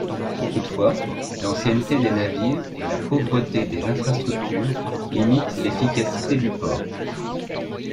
Toutefois, l'ancienneté des navires et la pauvreté des infrastructures limitent l'efficacité du port.